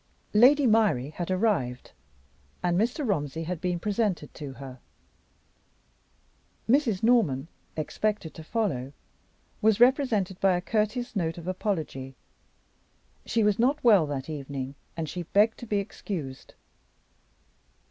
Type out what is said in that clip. Lady Myrie had arrived, and Mr. Romsey had been presented to her. Mrs. Norman, expected to follow, was represented by a courteous note of apology. She was not well that evening, and she begged to be excused.